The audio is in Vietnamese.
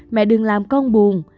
mẹ đừng làm con buồn